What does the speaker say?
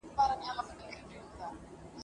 په يورپ کي د منځنۍ زماني